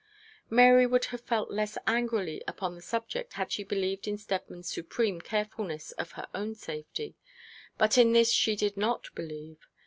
Mary would have felt less angrily upon the subject had she believed in Steadman's supreme carefulness of her own safety; but in this she did not believe.